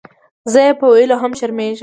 زۀ یې پۀ ویلو هم شرمېږم.